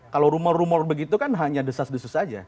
kalau rumor rumor begitu kan hanya desas desus saja